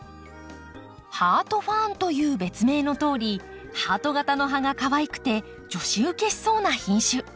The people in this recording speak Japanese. ハートファーンという別名のとおりハート形の葉がかわいくて女子ウケしそうな品種。